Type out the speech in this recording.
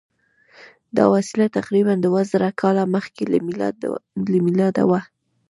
دا وسیله تقریبآ دوه زره کاله مخکې له میلاده وه.